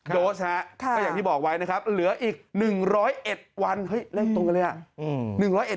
โดสฮะก็อย่างที่บอกไว้นะครับเหลืออีก๑๐๑วันเฮ้ยเลขตัวเลยอ่ะ